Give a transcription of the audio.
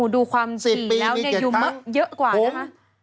ดูความสีแล้วยุมเยอะกว่านะครับ๑๐ปีมี๗ครั้ง